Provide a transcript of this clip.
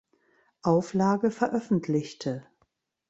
Auflage veröffentlichte.